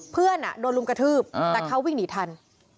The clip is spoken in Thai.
เพื่อนโดนลุมกระทืบแต่เขาวิ่งหนีทัน